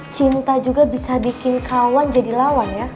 cinta juga bisa bikin kawan jadi lawan ya